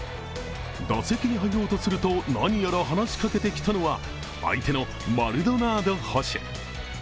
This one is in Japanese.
打席に入ろうとすると何やら話しかけてきたのは相手のマルドナード捕手。